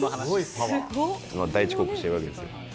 大遅刻しているわけですよ。